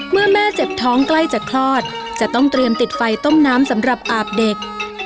แม่เจ็บท้องใกล้จะคลอดจะต้องเตรียมติดไฟต้มน้ำสำหรับอาบเด็ก